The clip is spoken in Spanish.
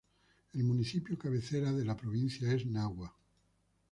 El municipio cabecera de la provincia es Nagua.